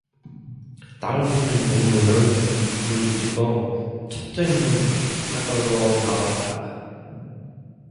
달라붙는 동무를 물리치고 첫째는 밖으로 나왔다.